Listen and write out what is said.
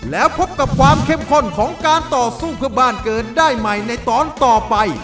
แล้วพบกับความเข้มข้นของการต่อสู้เพื่อบ้านเกิดได้ใหม่ในตอนต่อไป